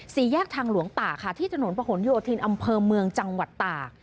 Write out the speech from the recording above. สี่แยกทางหลวงตาค่ะที่ถนนประหลโยธินอำเภอเมืองจังหวัดตาก